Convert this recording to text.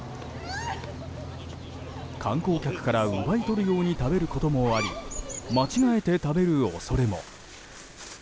観光客から奪い取るように食べることもあり間違えて食べる恐れも。